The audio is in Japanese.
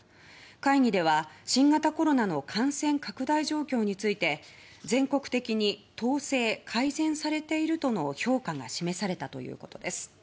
会議では新型コロナの感染拡大状況について「全国的に統制・改善されている」との評価が示されたということです。